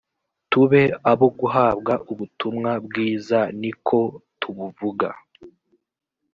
tube abo guhabwa ubutumwa bwiza ni ko tubuvuga